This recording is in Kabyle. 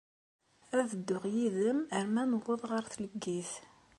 Ad dduɣ yid-m arma nuweḍ ɣer tleggit.